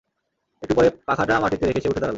একটু পরে পাখাটা মাটিতে রেখে সে উঠে দাঁড়াল।